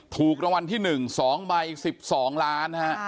โปรดติดตามต่อไป